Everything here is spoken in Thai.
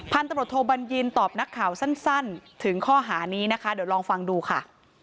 ตำรวจโทบัญญินตอบนักข่าวสั้นถึงข้อหานี้นะคะเดี๋ยวลองฟังดูค่ะ